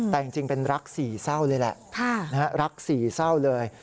แต่จริงเป็นรักสี่เศร้าเลยแหละรักสี่เศร้าเลย